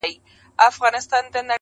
که موچي غریب سي مړ قصاب ژوندی وي-